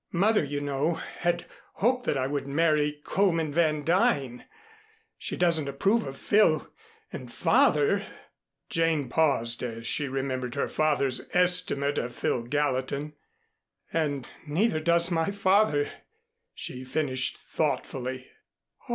"Mother, you know, had hoped that I would marry Coleman Van Duyn. She doesn't approve of Phil, and father " Jane paused as she remembered her father's estimate of Phil Gallatin "and neither does my father," she finished thoughtfully.